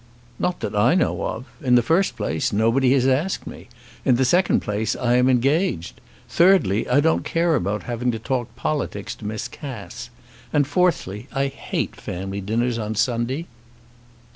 "Not that I know of. In the first place, nobody has asked me. In the second place, I am engaged. Thirdly, I don't care about having to talk politics to Miss Cass; and fourthly, I hate family dinners on Sunday."